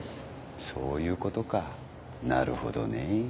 そういうことかなるほどねぇ。